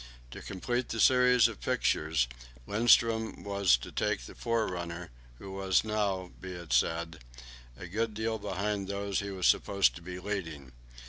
To complete the series of pictures, Lindström was to take the forerunner, who was now, be it said, a good way behind those he was supposed to be leading.